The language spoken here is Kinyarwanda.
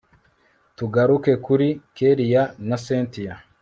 tugaruke kuri kellia na cyntia